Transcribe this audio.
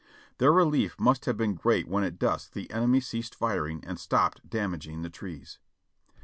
Their relief must have been great when at dusk the enemy ceased firing and stopped damaging the trees.